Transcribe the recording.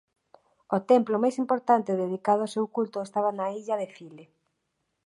O templo máis importante dedicado ao seu culto estaba na illa de File.